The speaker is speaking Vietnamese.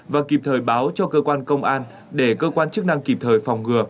và kịp thời báo cho cơ quan công an để cơ quan chức năng kịp thời phòng ngừa